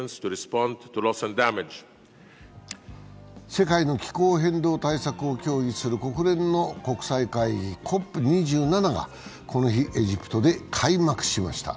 世界の気候変動対策を協議する国連の国際会議ＣＯＰ２７がこの日エジプトで開幕しました。